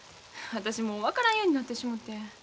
私もう分からんようになってしもて。